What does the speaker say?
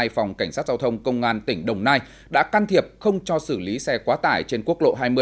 phòng cảnh sát giao thông công an tỉnh đồng nai đã can thiệp không cho xử lý xe quá tải trên quốc lộ hai mươi